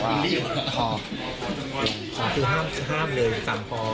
ห้ามเนินจำโทรธ์